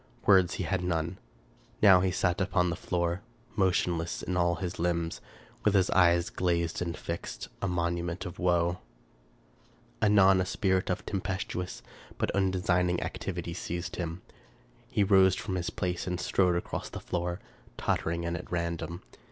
Words he had none. Now he sat upon the floor, motionless in all his limbs, with his eyes glazed and fixed, a monument of woe. Anon a spirit of tempestuous but undesigning activity seized him. He rose from his place and strode across the floor, tottering and at random.